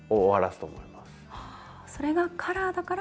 それがカラーだから。